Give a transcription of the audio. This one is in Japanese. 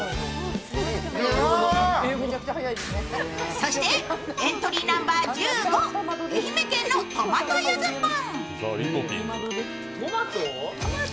そしてエントリーナンバー１５、愛媛県のトマトユズポン。